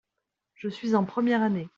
Je suis en première année.